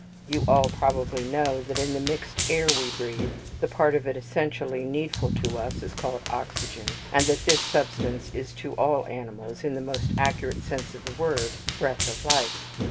You all probably know that in the mixed air we breathe, the part of it essentially needful to us is called oxygen; and that this substance is to all animals, in the most accurate sense of the word, "breath of life."